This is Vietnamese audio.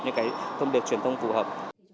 những cái thông điệp truyền thông phù hợp